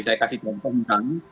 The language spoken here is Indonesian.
saya kasih contoh misalnya